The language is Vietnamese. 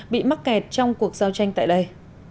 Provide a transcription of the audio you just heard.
bị mắc kẹt trong cuộc giao tranh tại đây